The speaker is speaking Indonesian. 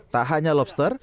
tak hanya lobster